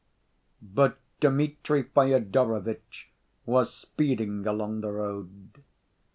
But Dmitri Fyodorovitch was speeding along the road.